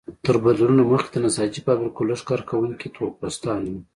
تر بدلونونو مخکې د نساجۍ فابریکو لږ کارکوونکي تور پوستان وو.